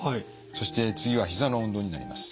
そして次はひざの運動になります。